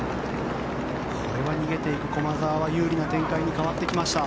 これは逃げていく駒澤が有利な展開に変わってきました。